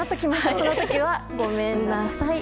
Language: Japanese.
その時はごめんなさい。